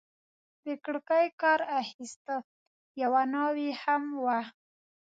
د کړکۍ کار اخیسته، یوه ناوې هم وه.